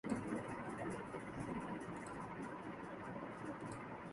কিন্তু এ নামকরণে তার ঘোর আপত্তি ছিল।